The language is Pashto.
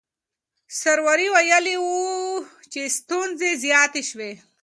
سروري ویلي وو چې ستونزې زیاتې شوې.